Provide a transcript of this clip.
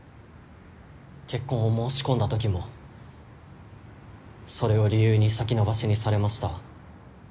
結婚を申し込んだときもそれを理由に先延ばしにされました。